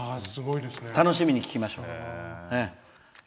楽しみに聴きましょう。